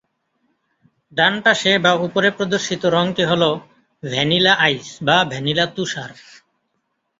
ডানপাশে বা উপরে প্রদর্শিত রঙটি হলো ভ্যানিলা আইস বা ভ্যানিলা তুষার।